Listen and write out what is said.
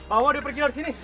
mama udah pergi dari sini